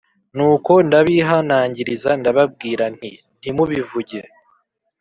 Nuko ndabihanangiriza ndababwira nti ntimubivuge